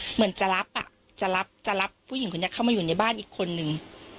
เหมือนจะรับอ่ะจะรับจะรับผู้หญิงคนนี้เข้ามาอยู่ในบ้านอีกคนนึง